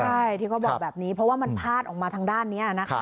ใช่ที่เขาบอกแบบนี้เพราะว่ามันพาดออกมาทางด้านนี้นะคะ